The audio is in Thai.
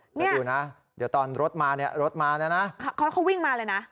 เออนี่ดูน่ะเดี๋ยวตอนรถมาเนี้ยรถมาเนี้ยน่ะค่ะเขาเขาวิ่งมาเลยน่ะ